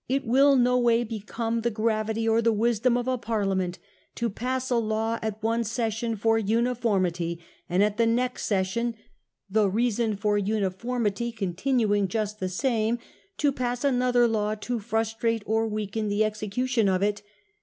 ... It will no way become the gravity or the wisdom of a Parliament to pass a law at one session for Remon uniformity, and at the next session (the reason tb? nCe ° f ^ or uniformi *y continuing just the same) to Commons, pass another law to frustrate or weaken the execution of it.